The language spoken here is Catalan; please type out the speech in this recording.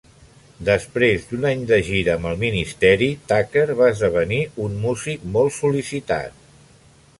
Després d'un any de gira amb el Ministeri, Tucker va esdevenir un músic molt sol·licitat.